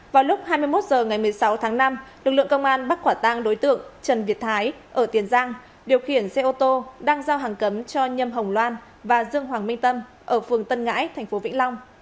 vào lúc hai mươi một h ngày một mươi sáu tháng năm lực lượng công an bắt quả tang đối tượng trần việt thái ở tiền giang điều khiển xe ô tô đang giao hàng cấm cho nhâm hồng loan và dương hoàng minh tâm ở phường tân ngãi thành phố vĩnh long